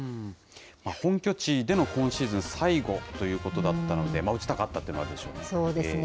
本拠地での今シーズン最後ということだったので、打ちたかったというのはあるでしょうね。